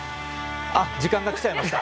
あっ時間が来ちゃいました。